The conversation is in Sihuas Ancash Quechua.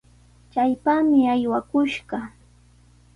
¡Chaypami aywakushqa!